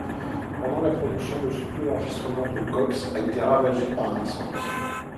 Pendant la production, le studio d'enregistrement de Cox a été ravagé par un incendie.